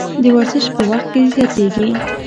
د ورزش په وخت کې زیاتیږي.